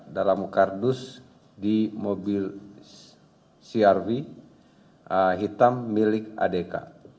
dalam kardus di mobil crv hitam milik adk